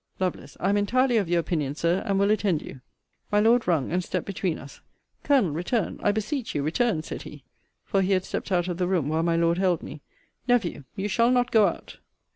Lovel. I am entirely of your opinion, Sir; and will attend you. My Lord rung, and stept between us: Colonel, return, I beseech you return, said he: for he had stept out of the room while my Lord held me Nephew, you shall not go out.